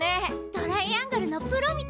トライアングルのプロみたい。